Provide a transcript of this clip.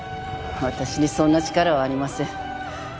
私にそんな力はありません。